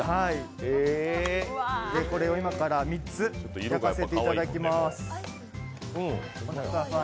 これを今から３つ焼かせていただきます。